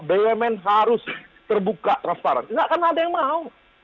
bumn harus terbuka transparan tidak akan ada yang mau